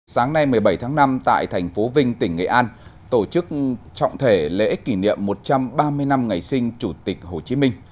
sáng nay một mươi bảy tháng năm tại thành phố vinh tỉnh nghệ an tổ chức trọng thể lễ kỷ niệm một trăm ba mươi năm ngày sinh chủ tịch hồ chí minh